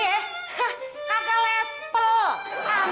hah kakak lepel